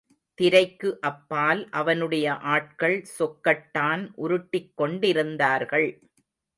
திரைக்கு அப்பால் அவனுடைய ஆட்கள் சொக்கட்டான் உருட்டிக் கொண்டிருந்தார்கள்.